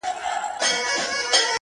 ژړا خــود نــــه ســـــــې كـــــــولاى;